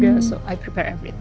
jadi saya siapkan semuanya